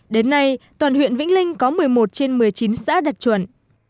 đến nay toàn huyện vĩnh linh có một mươi một trên một mươi chín xã đạt chuẩn